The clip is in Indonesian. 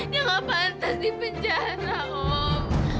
dia gak pantas di penjara om